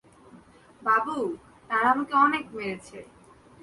বাবু, তারা আমকে অনেক মেরেছে।